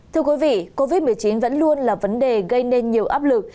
thưa quý vị covid một mươi chín vẫn luôn là vấn đề gây nên nhiều áp lực